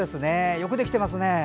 よくできていますね。